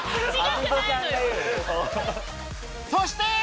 そして。